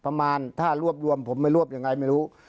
ประมาณถ้ารวบรวมผมไม่รวบยังไงไม่รู้